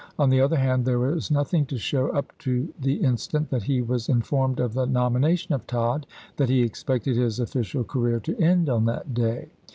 On the other hand, there is nothing to show, up to the instant that he was informed of the nomination of Tod, that he ex pected his official career to end on that day.